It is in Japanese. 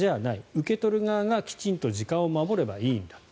受け取る側がきちんと時間を守ればいいんだ。